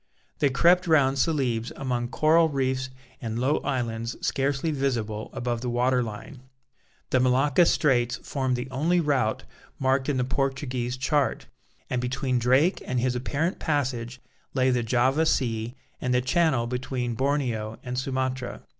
They crept round Celebes among coral reefs and low islands scarcely visible above the water line. The Malacca Straits formed the only route marked in the Portuguese chart, and between Drake and his apparent passage lay the Java Sea and the channel between Borneo and Sumatra.